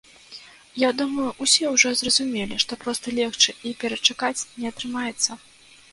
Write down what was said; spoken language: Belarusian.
Я думаю, усе ўжо зразумелі, што проста легчы і перачакаць не атрымаецца.